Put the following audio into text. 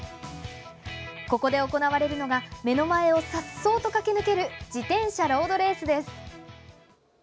ここで行われるのが目の前をさっそうと駆け抜ける自転車ロードレースです。